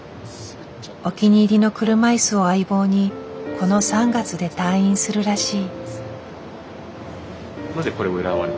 お気に入りの車いすを相棒にこの３月で退院するらしい。